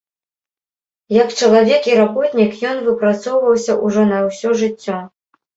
Як чалавек і работнік ён выпрацоўваўся ўжо на ўсё жыццё.